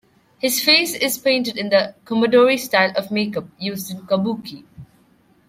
His face is painted in the "kumadori" style of makeup used in kabuki.